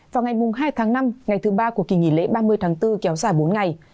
vào ngày hai tháng năm ngày thứ ba của kỳ nghỉ lễ ba mươi tháng bốn kéo dài bốn ngày